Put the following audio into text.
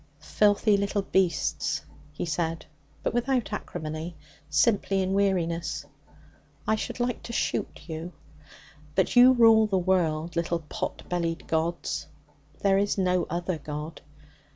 'Filthy little beasts!' he said, but without acrimony, simply in weariness. 'I should like to shoot you; but you rule the world little pot bellied gods. There is no other God.